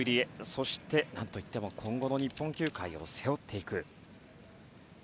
そして、何といっても今後の日本球界を背負っていく。